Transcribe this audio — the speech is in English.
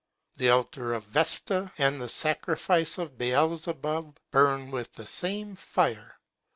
The altar of Vesta and the sacrifice of Beelzebub burn with the same fire.